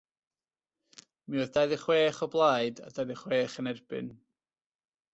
Mi oedd dau ddeg chwech o blaid a dau ddeg chwech yn erbyn.